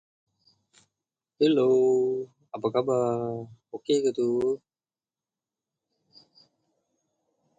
Ruffley was born in Bolton, Lancashire.